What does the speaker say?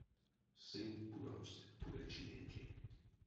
Сынь пуромсть пуре чинентень.